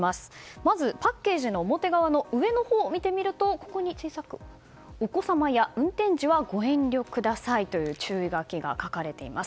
まずパッケージの表側の上のほうを見てみると小さく、お子様や運転時はご遠慮くださいという注意書きが書かれています。